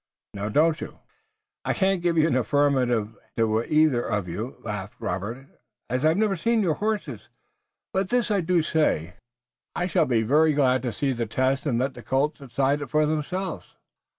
Now, don't you?" "I can't give an affirmative to either of you," laughed Robert, "as I've never seen your horses, but this I do say, I shall be very glad to see the test and let the colts decide it for themselves."